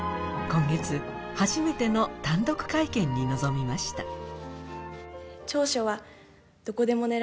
今月初めての単独会見に臨みました